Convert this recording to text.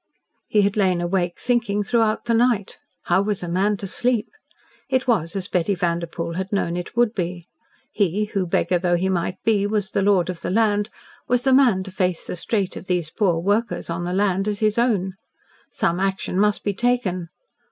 He had lain awake thinking throughout the night. How was a man to sleep! It was as Betty Vanderpoel had known it would be. He, who beggar though he might be was the lord of the land, was the man to face the strait of these poor workers on the land, as his own. Some action must be taken.